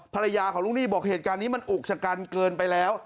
ภรรยาของลูกหนี้บอกเหตุการณ์นี้มันอุกชะกันเกินไปแล้ว